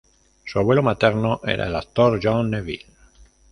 Su abuelo materno era el actor John Neville.